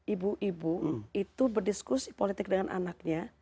ibu ibu itu berdiskusi politik dengan anaknya